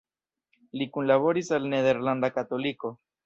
Li kunlaboris al "Nederlanda Katoliko".